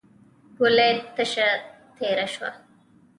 ګولۍ تشه تېره شوه.